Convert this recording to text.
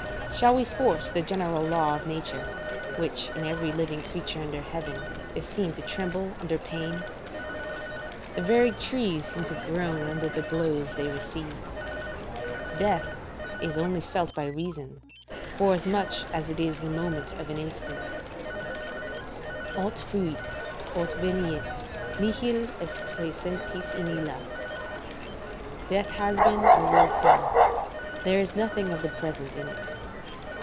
Shall we force the general law of nature, which in every living creature under heaven is seen to tremble under pain? The very trees seem to groan under the blows they receive. Death is only felt by reason, forasmuch as it is the motion of an instant; "Aut fuit, aut veniet; nihil est praesentis in illa." ["Death has been, or will come: there is nothing of the present in it."